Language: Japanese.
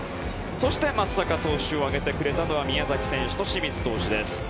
そして松坂投手を挙げたのは宮崎選手と清水投手。